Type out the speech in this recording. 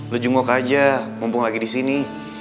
lu jungkok aja mumpung lagi disini